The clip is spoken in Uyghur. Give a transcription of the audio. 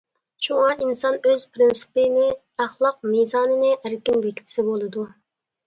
شۇڭا، ئىنسان ئۆز پىرىنسىپىنى، «ئەخلاق» مىزانىنى ئەركىن بېكىتسە بولىدۇ.